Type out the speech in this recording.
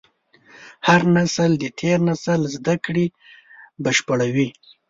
هر نسل د تېر نسل زدهکړې بشپړوي.